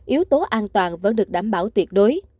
yếu tố an toàn vẫn được đảm bảo tuyệt đối